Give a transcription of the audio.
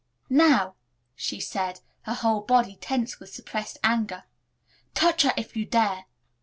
"Now," she said, her whole body tense with suppressed anger, "touch her if you dare."